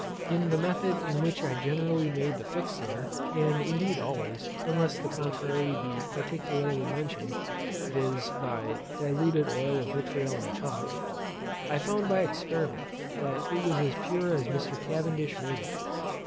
In the method in which I generally made the fixed air (and indeed always, unless the contrary be particularly mentioned, viz. by diluted oil of vitriol and chalk) I found by experiment that it was as pure as Mr. Cavendish made it.